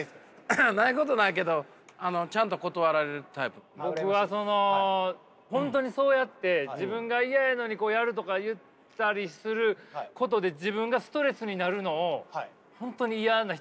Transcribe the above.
ないことないけど僕はその本当にそうやって自分が嫌やのにやるとか言ったりすることで自分がストレスになるのを本当に嫌な人なんで。